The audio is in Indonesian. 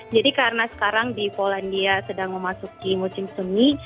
jadi karena sekarang di polandia sedang memasuki musim sunyi